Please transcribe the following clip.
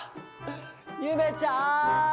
ゆめちゃん！